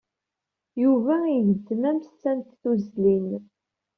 Yuba igezzem amessa s tuzzlin.